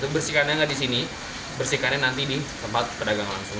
tapi bersihkannya nggak di sini bersihkannya nanti di tempat kedagang langsung